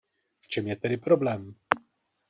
V čem je tedy problém?